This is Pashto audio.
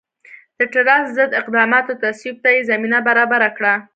د ټراست ضد اقداماتو تصویب ته یې زمینه برابره کړه.